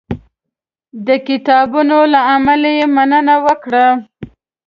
د کتابونو له امله یې مننه وکړه.